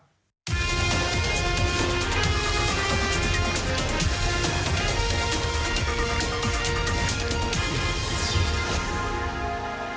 โปรดติดตามตอนต่อไป